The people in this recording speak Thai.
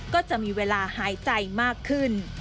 ก็จะมีเวลาหายใจมากขึ้น